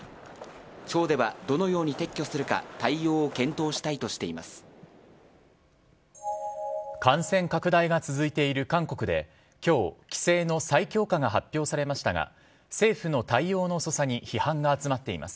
町では、どのように撤去するか感染拡大が続いている韓国で今日、規制の再強化が発表されましたが政府の対応の遅さに批判が集まっています。